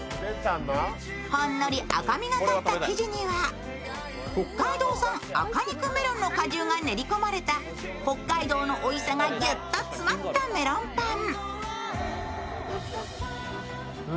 ほんのり赤みがかった生地には北海道産赤肉メロンの果汁が練り込まれた北海道のおいしさがギュッと詰まったメロンパン。